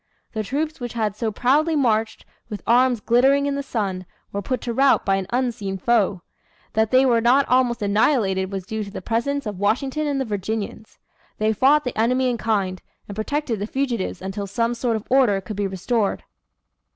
The troops which had so proudly marched, with arms glittering in the sun, were put to rout by an unseen foe. That they were not almost annihilated was due to the presence of Washington and the Virginians. They fought the enemy in kind, and protected the fugitives until some sort of order could be restored.